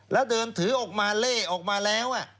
แล้วเดินถือออกมาเล่ออกมาแล้ว